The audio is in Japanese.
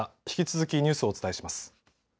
引き続きニュースをお伝えします。